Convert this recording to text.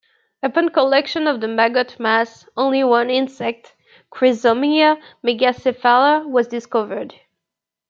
Upon collection of the maggot mass, only one insect, "Chrysomya megacephala", was discovered.